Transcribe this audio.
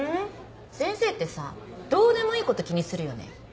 先生ってさどうでもいいこと気にするよね。